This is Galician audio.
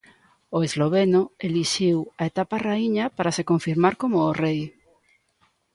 O esloveno elixiu a etapa raíña para se confirmar como o rei.